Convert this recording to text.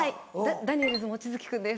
ダニエルズの望月君です。